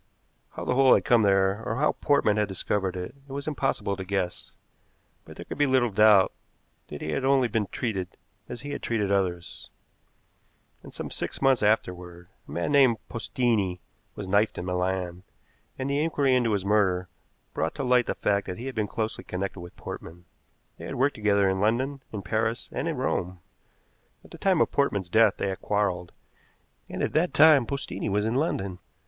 How the hole had come there, or how Portman had discovered it, it was impossible to guess, but there could be little doubt that he had only been treated as he had treated others. And some six months afterward a man named Postini was knifed in Milan, and the inquiry into his murder brought to light the fact that he had been closely connected with Portman. They had worked together in London, in Paris, and in Rome. At the time of Portman's death they had quarreled, and at that time Postini was in London.